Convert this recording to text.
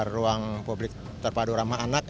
ruang publik terpadu ramah anak